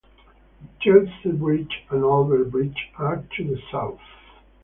Chelsea Bridge and Albert Bridge are to the south.